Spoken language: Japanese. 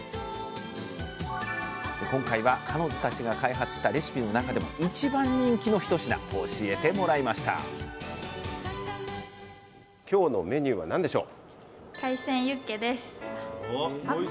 で今回は彼女たちが開発したレシピの中でも一番人気の一品教えてもらいました今日のメニューは何でしょう？